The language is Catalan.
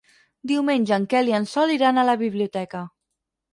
Diumenge en Quel i en Sol iran a la biblioteca.